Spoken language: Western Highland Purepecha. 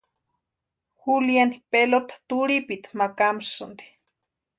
Juliani pelota turhipiti ma kamasïnti.